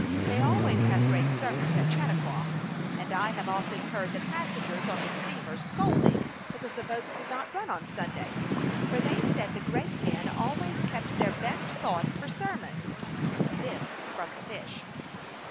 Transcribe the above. They always have great sermons at Chautauqua, and I have often heard the passengers on the steamer scold ing because the boats did not run on Sunday, for they said the great men always kept their best thoughts for sermons.'' This from the fish.